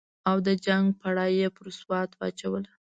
او د جنګ پړه یې پر سوات واچوله.